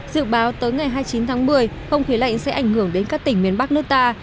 dự báo tới ngày hai mươi chín tháng một mươi không khí lạnh sẽ ảnh hưởng đến các tỉnh miền bắc nước ta